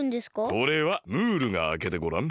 これはムールがあけてごらん。